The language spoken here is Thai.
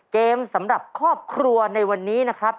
เกมสำหรับครอบครัวในวันนี้นะครับ